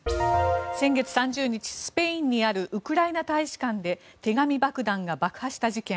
先月３０日、スペインにあるウクライナ大使館で手紙爆弾が爆破した事件。